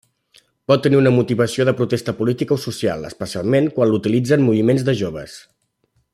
Pot tenir una motivació de protesta política o social, especialment quan l'utilitzen moviments de joves.